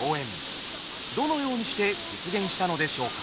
どのようにして実現したのでしょうか。